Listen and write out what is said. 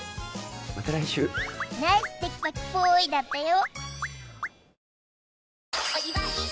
また来週ナイステキパキポイだったよ